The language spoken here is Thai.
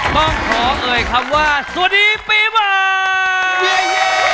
บอกท้องเอ่ยคำว่าสวัสดีปีวัน